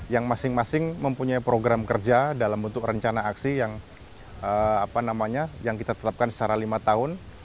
yang masing masing mempunyai program kerja dalam bentuk rencana aksi yang kita tetapkan secara lima tahun